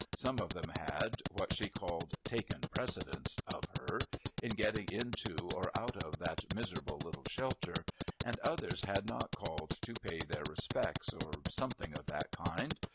Some of them had, what she called, ' taken precedence ' of her — in getting into, or out of, that miserable httle shelter !— and others had not called to pay their respects, or something of that kind.